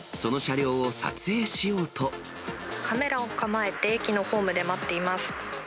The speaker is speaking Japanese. カメラを構えて、駅のホームで待っています。